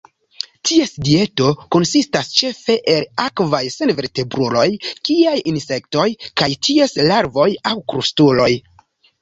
Ties dieto konsistas ĉefe el akvaj senvertebruloj kiaj insektoj kaj ties larvoj, aŭ krustuloj.